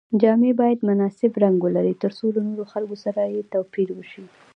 جامې باید مناسب رنګ ولري تر څو له نورو خلکو سره یې توپیر وشي.